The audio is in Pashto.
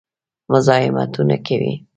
مزاحمتونه کوي.